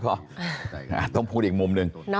ก็ต้องพูดอีกมุมหนึ่ง